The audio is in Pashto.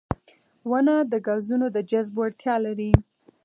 • ونه د ګازونو د جذب وړتیا لري.